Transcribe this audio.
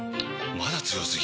まだ強すぎ？！